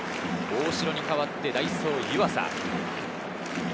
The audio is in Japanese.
大城に代わって代走・湯浅。